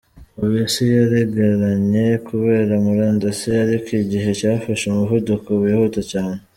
Ubu isi yaregeranye kubera murandasi ariko igihe cyafashe umuvuduko wihuta cyane.